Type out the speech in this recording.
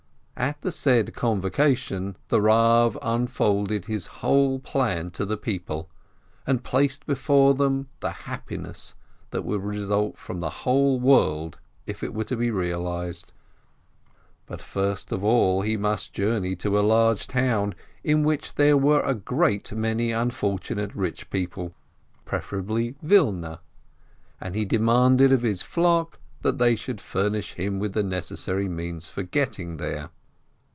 At the said convocation the Rav unfolded his whole plan to the people, and placed before them the happi ness that would result for the whole world, if it were to be realized. But first of all he must journey to a large town, in which there were a great many unfor tunate rich people, preferably Wilna, and he demanded of his flock that they should furnish him with the necessary means for getting there.